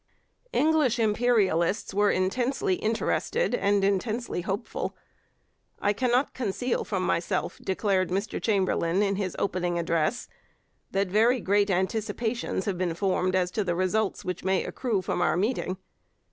English imperialists were intensely interested and intensely hopeful. 'I cannot conceal from myself,' declared Mr Chamberlain in his opening address, 'that very great anticipations have been formed as to the results which may accrue from our meeting.'